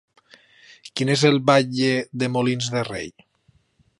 Qui és el batlle de Molins de Rei?